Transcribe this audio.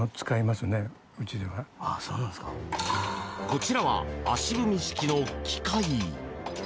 こちらは足踏み式の機械。